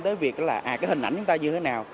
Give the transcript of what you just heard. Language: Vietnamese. tới việc là cái hình ảnh chúng ta như thế nào